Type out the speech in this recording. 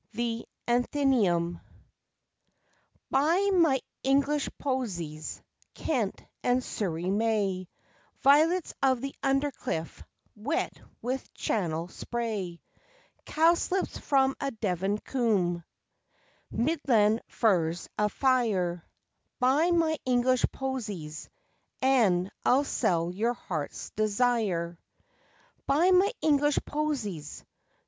The Athenæum. _Buy my English posies Kent and Surrey may, Violets of the Undercliff Wet with Channel spray; Cowslips from a Devon combe Midland furze afire Buy my English posies, And I'll sell your hearts' desire!_ Buy my English posies!